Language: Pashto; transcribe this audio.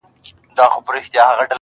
چا خندله چا به ټوکي جوړولې،